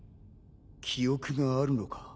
記憶があるのか？